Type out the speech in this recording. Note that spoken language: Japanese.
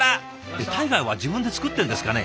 タイガーは自分で作ってるんですかね？